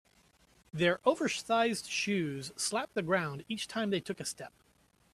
Their oversized shoes slapped the ground each time they took a step.